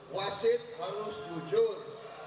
wasit harus jujur